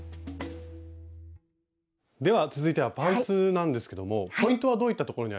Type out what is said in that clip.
では続いてはパンツなんですけどもポイントはどういったところにありますか？